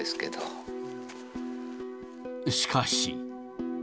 しかし。